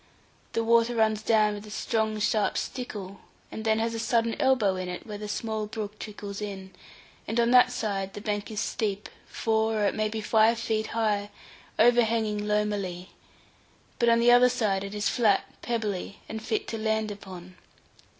The water runs down with a strong sharp stickle, and then has a sudden elbow in it, where the small brook trickles in; and on that side the bank is steep, four or it may be five feet high, overhanging loamily; but on the other side it is flat, pebbly, and fit to land upon.